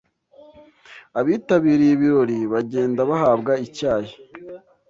abitabiriye ibirori bagendaga bahabwa icyayi